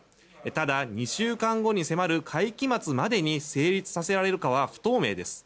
ただ２週間後に迫る会期末までに成立させられるかは不透明です。